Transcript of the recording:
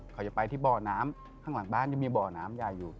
เขาจะไปที่บ่อน้ำข้างหลังบ้านยังมีบ่อน้ำใหญ่อยู่